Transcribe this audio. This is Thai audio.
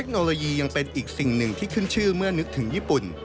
เทคโนโลยียังเป็นอีกสิ่งหนึ่งที่ขึ้นชื่อเมื่อนึกถึงญี่ปุ่น